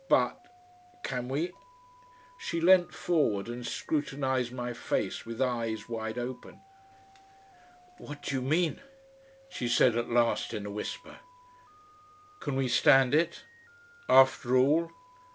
"But can we?" She leant forward and scrutinised my face with eyes wide open. "What do you mean?" she said at last in a whisper. "Can we stand it? After all?"